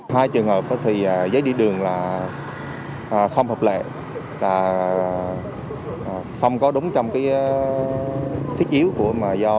hai trường hợp thì giấy đi đường là không hợp lệ là không có đúng trong cái thiết yếu mà do